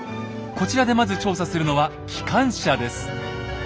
こちらでまず調査するのは機関車です。